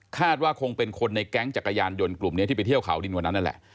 ว่าคงเป็นคนในแก๊งจักรยานยนต์กลุ่มนี้ที่ไปเที่ยวเขาดินวันนั้นนั่นแหละ